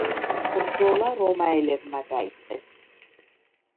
ბრძოლა რომაელებმა დაიწყეს.